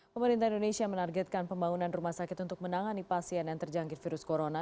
pemerintah indonesia menargetkan pembangunan rumah sakit untuk menangani pasien yang terjangkit virus corona